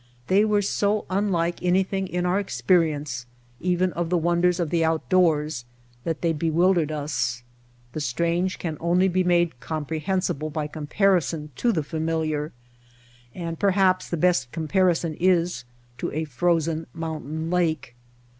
They were so unlike anything in our experience, even of the wonders of the outdoors, that they bewildered us. The strange can only be made comprehensible by comparison to the familiar, and perhaps the best comparison is to a frozen mountain lake.